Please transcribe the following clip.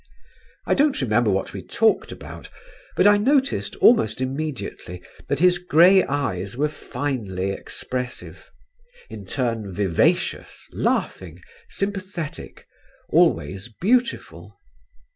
I don't remember what we talked about, but I noticed almost immediately that his grey eyes were finely expressive; in turn vivacious, laughing, sympathetic; always beautiful.